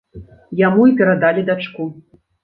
Яму і перадалі дачку.